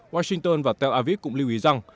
washington và tel aviv cũng lưu ý rằng